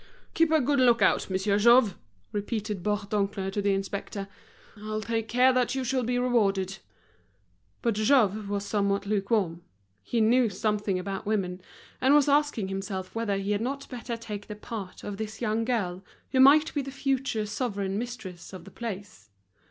"Keep a good look out, Monsieur Jouve," repeated Bourdoncle to the inspector, "I'll take care that you shall be rewarded." But Jouve was somewhat lukewarm, he knew something about women, and was asking himself whether he had not better take the part of this young girl, who might be the future sovereign mistress of the place.